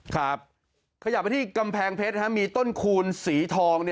ขยับไปที่กำแพงเพชรมีต้นคูณสีทอง